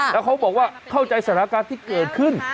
แล้วเขาบอกว่าเข้าใจสถานการณ์ที่เกิดขึ้น